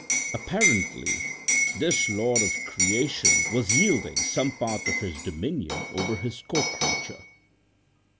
Apparently this lord of creation was yielding some part of his dominion over his co creature.